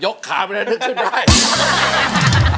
ยกขาไปเร็วชิบตัวไหม